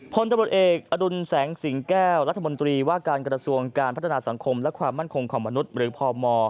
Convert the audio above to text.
พลตำรวจเอกอดุลแสงสิงแก้วรัฐมนตรีว่าการกระทรวงการพัฒนาสังคมและความมั่นคงของมนุษย์หรือพม